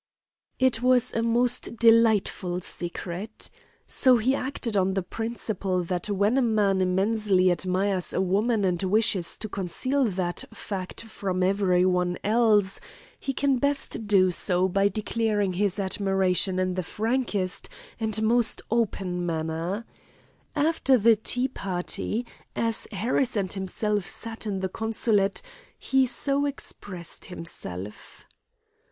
It was a most delightful secret. So he acted on the principle that when a man immensely admires a woman and wishes to conceal that fact from every one else he can best do so by declaring his admiration in the frankest and most open manner. After the tea party, as Harris and himself sat in the consulate, he so expressed himself.